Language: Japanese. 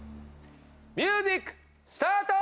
ミュージックスタート！